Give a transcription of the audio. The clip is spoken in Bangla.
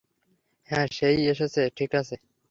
হ্যাঁ, সে-ই এসেছে, ঠিক আছে।